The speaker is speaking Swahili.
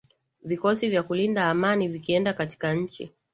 vikosi vya kulinda amani vikienda katika nchi